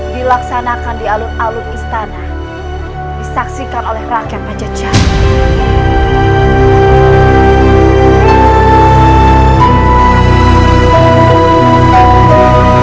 dilaksanakan di alun alun istana disaksikan oleh rakyat pajajar